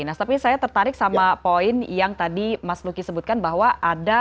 nah tapi saya tertarik sama poin yang tadi mas luki sebutkan bahwa ada